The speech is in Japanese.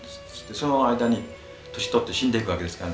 その間に年取って死んでいくわけですからね。